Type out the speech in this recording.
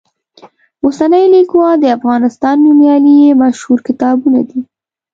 اوسنی لیکوال، د افغانستان نومیالي یې مشهور کتابونه دي.